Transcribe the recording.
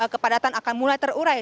kepadatan akan mulai terurai